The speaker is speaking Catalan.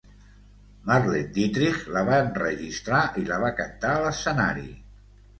Marlene Dietrich la va enregistrar i la va cantar a l'escenari.